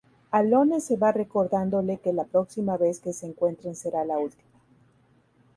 Alone se va recordándole que la próxima vez que se encuentren será la última.